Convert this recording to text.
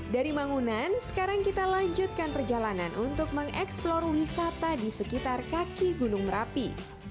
dari mangunan sekarang kita lanjutkan perjalanan untuk mengeksplor wisata di sekitar kaki gunung merapi